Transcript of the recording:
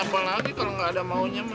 apa lagi kalau gak ada maunya mas